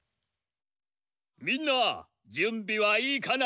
みんなじゅんびはいいかな？